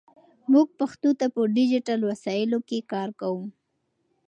موږ پښتو ته په ډیجیټل وسایلو کې کار کوو.